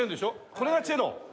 これがチェロ？